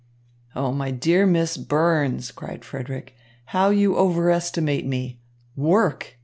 "Oh, my dear Miss Burns," cried Frederick, "how you overestimate me! Work!